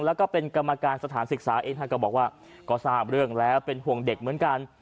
แล้วก็เป็นกรรมการสถานศึกษาเองท่านก็บอกว่าก็ทราบเรื่องแล้วเป็นห่วงเด็กเหมือนกัน